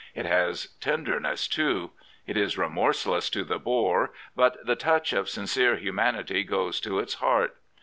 It has tenderness, too. It is remorseless to the bore, but the touch of sincere humanity goes to its heart.